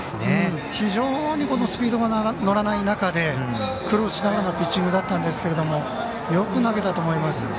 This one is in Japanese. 非常にスピードが乗らない中で苦労しながらのピッチングだったんですけどよく投げたと思います。